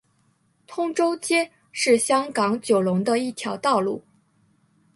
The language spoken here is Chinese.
通州街是香港九龙的一条道路。